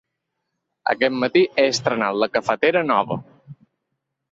Aquest matí he estrenat la cafetera nova.